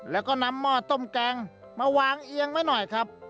แล้วก็นำหม้อต้มแกงมาวางเอียงไว้หน่อยครับ